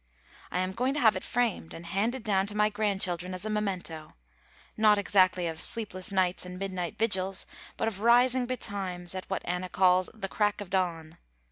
I am going to have it framed and handed down to my grandchildren as a memento, not exactly of sleepless nights and midnight vigils, but of rising betimes, at what Anna calls the crack of dawn.